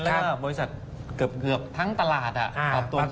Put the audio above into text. และบริษัทเกือบทั้งตลาดอ่ะตอบตัวขึ้นหมด